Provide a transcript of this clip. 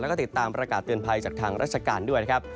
แล้วก็ติดตามประกาศเตือนภัยจากทางราชการด้วยนะครับ